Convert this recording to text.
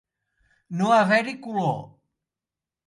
No haver-hi color.